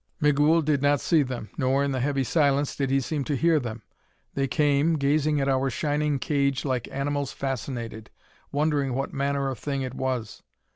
Migul did not see them, nor, in the heavy silence, did he seem to hear them. They came, gazing at our shining cage like animals fascinated, wondering what manner of thing it was.